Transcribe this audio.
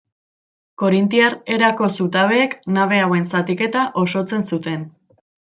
Korintiar erako zutabeek nabe hauen zatiketa osotzen zuten.